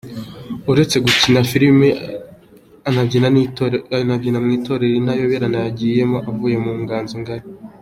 Uretse gukina filime anabyina mu itorero Intayoberana yagiyemo avuye mu Nganzo Ngali.